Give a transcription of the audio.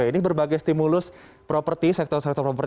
ini berbagai stimulus properti sektor sektor properti